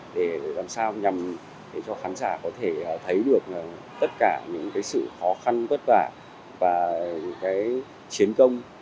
để làm sao nhằm cho khán giả có thể thấy được tất cả những sự khó khăn vất vả và chiến công